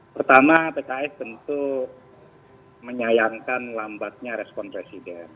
pertama pks tentu menyayangkan lambatnya respon presiden